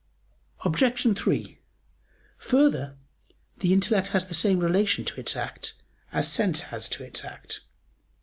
Obj. 3: Further, the intellect has the same relation to its act as sense has to its act.